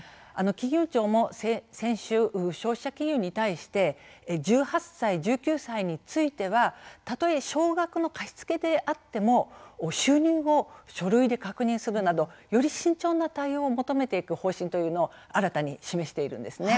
金融庁も先週消費者金融に対して１８歳１９歳についてはたとえ少額の貸し付けであっても収入を書類で確認するなどより慎重な対応を求めていく方針というのを新たに示しているんです。